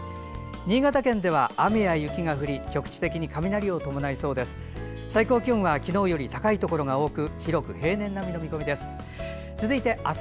新潟県では雨や雪が降り局地的に雷を伴いそうです。